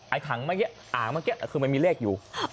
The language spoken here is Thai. ถังเมื่อกี้อ่างเมื่อกี้คือมันมีเลขอยู่